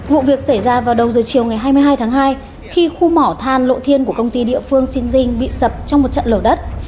vụ việc xảy ra vào đầu giờ chiều ngày hai mươi hai tháng hai khi khu mỏ than lộ thiên của công ty địa phương sinh bị sập trong một trận lở đất